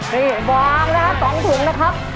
นี่บองนะครับ๒ถุงนะครับ